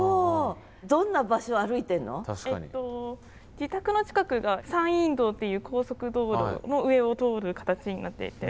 自宅の近くが山陰道っていう高速道路の上を通る形になっていて。